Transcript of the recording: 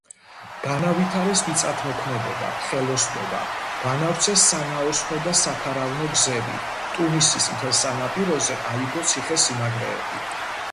განავითარეს მიწათმოქმედება, ხელოსნობა, განავრცეს სანაოსნო და საქარავნო გზები, ტუნისის მთელ სანაპიროზე აიგო ციხესიმაგრეები.